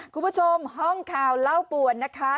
คุณผู้ชมห้องข่าวเล่าป่วนนะคะ